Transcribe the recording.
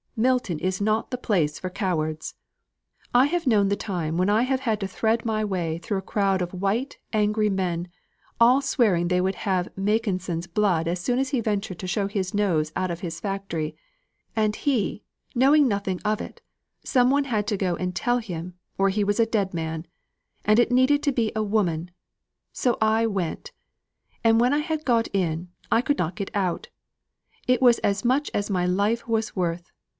Milton is not the place for cowards. I have known the time when I have had to thread my way through a crowd of white, angry men, all swearing they would have Makinson's blood as soon as he ventured to show his nose out of his factory; and he, knowing nothing of it, some one had to go and tell him, or he was a dead man; and it needed to be a woman, so I went. And when I got in, I could not get out. It was as much as my life was worth.